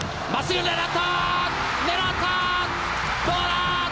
どうだ！